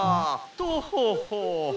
とほほ」。